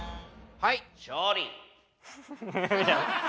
はい「勝利」。